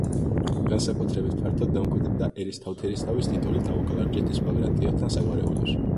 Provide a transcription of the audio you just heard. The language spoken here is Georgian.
განსაკუთრებით ფართოდ დამკვიდრდა ერისთავთერისთავის ტიტული ტაო-კლარჯეთის ბაგრატიონთა საგვარეულოში.